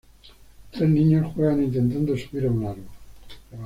Tres niños juegan intentando subir a un árbol.